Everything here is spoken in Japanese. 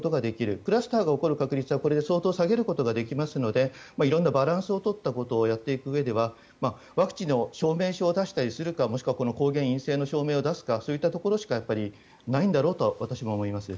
クラスターが起きることは下げることができますので色んなバランスを取ったことをやっていくうえではワクチンの証明書を出したりするかもしくはこういう抗原陰性の証明を出すかそういったところしかないんだろうと、私も思います。